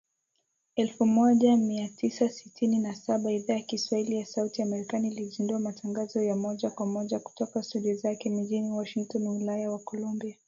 Elfu Moja Mia tisa sitini na saba , Idhaa ya Kiswahili ya Sauti ya Amerika ilizindua matangazo ya moja kwa moja kutoka studio zake mjini Washington wilaya ya kolumbia